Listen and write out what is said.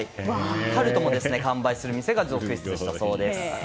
タルトも完売する店が続出したそうです。